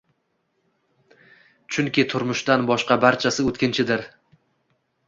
Chunki turmushdan boshqa barchasi o’tkinchidir.